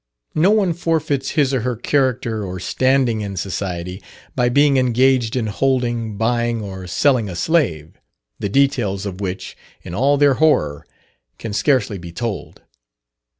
No one forfeits his or her character or standing in society by being engaged in holding, buying or selling a slave; the details of which, in all their horror, can scarcely be told.